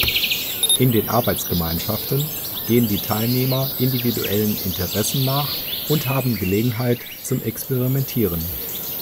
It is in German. In den Arbeitsgemeinschaften gehen die Teilnehmer individuellen Interessen nach und haben Gelegenheit zum Experimentieren.